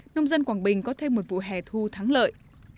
nông dân quảng bình có thêm một vụ hè thu thắng lợi